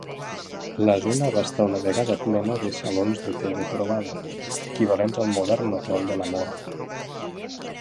La zona va estar una vegada plena de "salons de te de trobada", equivalents al modern hotel de l'amor.